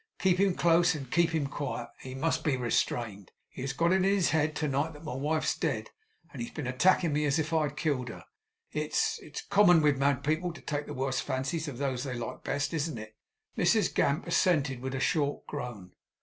Keep him close, and keep him quiet. He must be restrained. He has got it in his head to night that my wife's dead, and has been attacking me as if I had killed her. It's it's common with mad people to take the worst fancies of those they like best. Isn't it?' Mrs Gamp assented with a short groan.